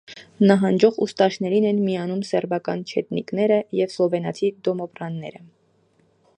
Նահանջող ուստաշներին են միանում սերբական չետնիկները և սլովենացի դոմոբրանները։